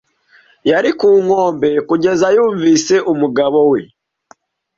Yari ku nkombe kugeza yumvise umugabo we.